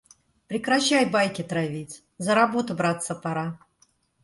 Прекращай байки травить, за работу браться пора.